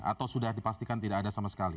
atau sudah dipastikan tidak ada sama sekali